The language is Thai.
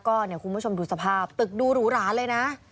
ก็เนี่ยคุณผู้ชมดูสภาพตึกดูหรูหราเลยนะ